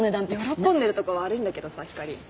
喜んでるとこ悪いんだけどさひかり。